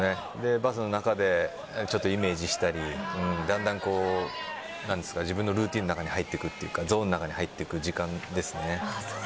バスの中でちょっとイメージしたりだんだん自分のルーティンの中に入っていくというかゾーンの中に入っていく時間ですね。